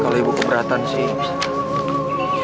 kalau ibu keberatan sih